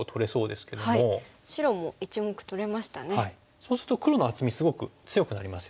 そうすると黒の厚みすごく強くなりますよね。